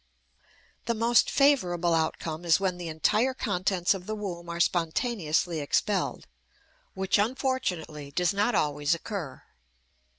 The most favorable outcome is when the entire contents of the womb are spontaneously expelled, which unfortunately does not always occur.